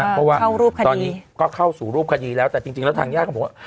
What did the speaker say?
เพราะว่าตอนนี้ก็เข้าสู่รูปคดีแล้วแต่จริงจริงแล้วทางย่างของผมว่า